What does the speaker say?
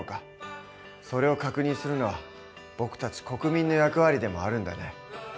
それを確認するのは僕たち国民の役割でもあるんだね。